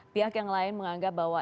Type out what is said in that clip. pihak yang lain menganggap bahwa